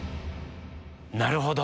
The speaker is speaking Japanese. なるほど！